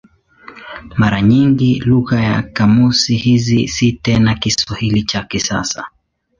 Mara nyingi lugha ya kamusi hizi si tena Kiswahili cha kisasa.